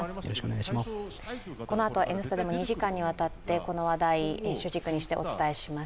このあとは「Ｎスタ」でも２時間にわたって、この話題を主軸にしてお伝えしていきます。